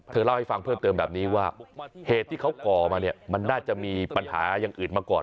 เล่าให้ฟังเพิ่มเติมแบบนี้ว่าเหตุที่เขาก่อมาเนี่ยมันน่าจะมีปัญหาอย่างอื่นมาก่อน